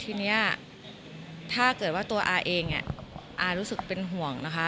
ทีนี้ถ้าเกิดว่าตัวอาเองอารู้สึกเป็นห่วงนะคะ